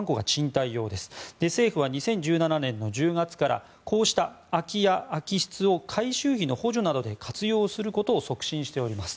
政府は２０１７年の１０月からこうした空き家・空き室を改修費の補助などで活用することを促進しております。